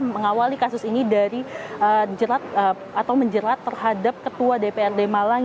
mengawali kasus ini dari menjerat terhadap ketua dprd malang